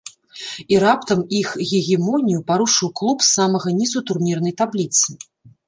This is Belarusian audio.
І раптам іх гегемонію парушыў клуб з самага нізу турнірнай табліцы.